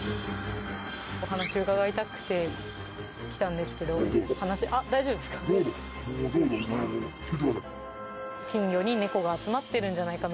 お話を伺いたくて来たんですけど話大丈夫ですか？